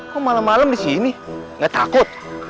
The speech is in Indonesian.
kok malem malem disini gak takut